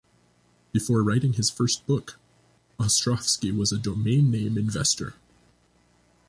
Before writing his first book, Ostrofsky was a domain name investor.